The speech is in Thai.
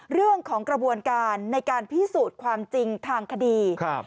เรื่องของกระบวนการในการพิสูจน์ความจริงทางคดี